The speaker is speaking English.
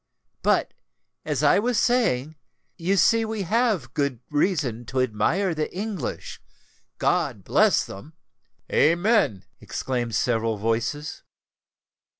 But, as I was saying, you see we have good reason to admire the English—God bless them!" "Amen!" exclaimed several voices.